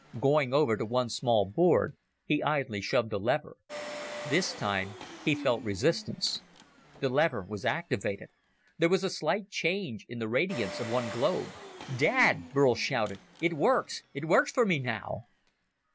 Going over to one small board, he idly shoved a lever. This time he felt resistance. The lever was activated. There was a slight change in the radiance of one globe. "Dad!" Burl shouted. "It works! It works for me now!"